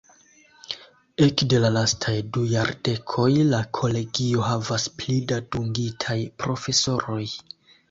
Ekde la lastaj du jardekoj, la kolegio havas pli da dungitaj profesoroj.